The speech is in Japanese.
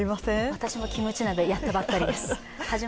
私もキムチ鍋、やったばかりです。